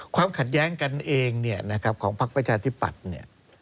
ความขัดแย้งกันเองของภาคประชาธิบัตร